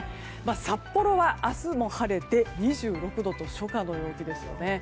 札幌は明日も晴れて２６度と初夏の陽気ですね。